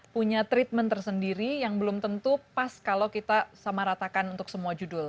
punya treatment tersendiri yang belum tentu pas kalau kita sama ratakan untuk semua judul